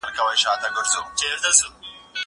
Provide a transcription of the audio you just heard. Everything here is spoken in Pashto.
زه هره ورځ سينه سپين کوم!